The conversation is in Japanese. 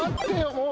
もう。